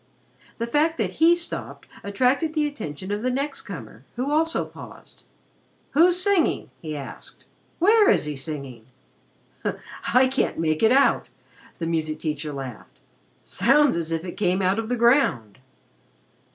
The fact that he stopped attracted the attention of the next comer, who also paused. "Who's singing?" he asked. "Where is he singing?" "I can't make out," the music teacher laughed. "Sounds as if it came out of the ground."